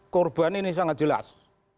korban ini sangat jelas